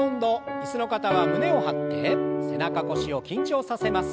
椅子の方は胸を張って背中腰を緊張させます。